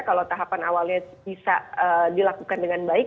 kalau tahapan awalnya bisa dilakukan dengan baik